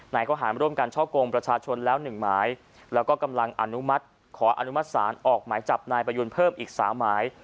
ข้อหารร่วมกันช่อกงประชาชนแล้วหนึ่งหมายแล้วก็กำลังอนุมัติขออนุมัติศาลออกหมายจับนายประยุณเพิ่มอีกสามหมาย